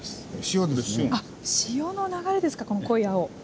潮の流れですかこの濃い青。